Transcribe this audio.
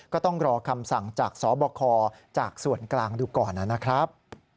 ก็ต้องรอคำสั่งจากสบคจากส่วนกลางดูก่อนนะครับ